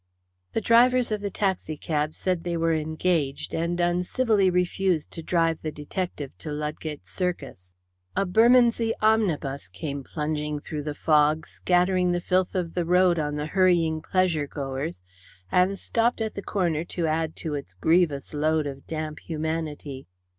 The drivers of the taxi cabs said they were engaged, and uncivilly refused to drive the detective to Ludgate Circus. A Bermondsey omnibus came plunging through the fog, scattering the filth of the road on the hurrying pleasure goers, and stopped at the corner to add to its grievous load of damp humanity.